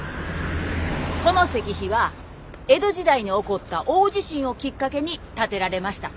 この石碑は江戸時代に起こった大地震をきっかけに建てられました。